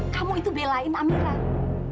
kamu itu belain amirah